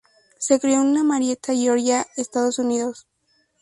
Se crio en Marietta, Georgia, Estados Unidos.